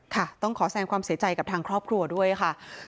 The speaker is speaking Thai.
ต้องขอแสงความเสียใจกับทางครอบครัวด้วยค่ะ